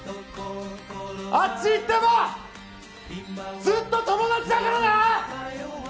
あっち行ってもずっと友達だからな！